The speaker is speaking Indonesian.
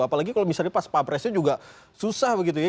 apalagi kalau misalnya pas pampresnya juga susah begitu ya